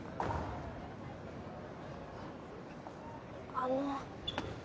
・あの。